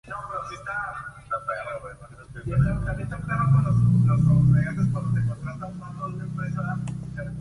La asociación tiene un centro social y una biblioteca.